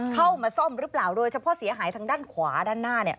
เข้ามาซ่อมหรือเปล่าโดยเฉพาะเสียหายทางด้านขวาด้านหน้าเนี่ย